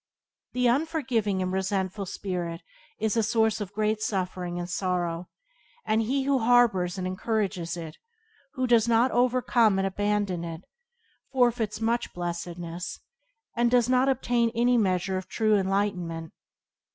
The unforgiving and resentful spirit is a source of great suffering and sorrow, and he who harbours and encourages it, who does not overcome and abandon it, forfeits much blessedness, and does not obtain any measure of true enlightenment.